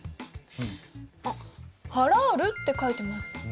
「ハラール」って書いてます。